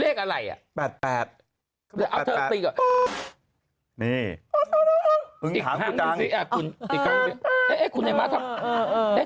เลขอะไรแปด๘๘๘๘๘๘นี่อีกครั้งดูสิอีกครั้งดูสิ